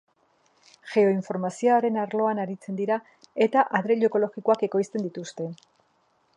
Geoinformazioaren arloan aritzen dira eta adreilu ekologikoak ekoizten dituzte.